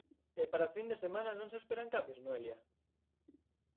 E para a fin de semana non se esperan cambios, Noelia?